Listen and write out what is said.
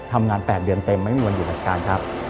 ทำงาน๘เดือนเต็มไม่มีวันหยุดราชการครับ